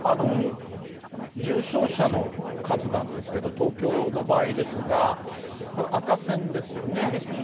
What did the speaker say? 重症者の数なんですけど、東京の場合ですが、この赤線ですよね。